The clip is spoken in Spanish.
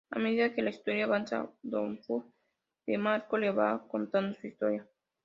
A medida que la historia avanza, Don Juan DeMarco le va contando su historia.